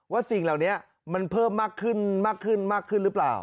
ว่าสิ่งเหล่านี้มันเพิ่มมากขึ้นหรือเปล่า